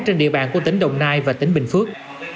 trên địa bàn của tỉnh đồng nai và tỉnh bình phước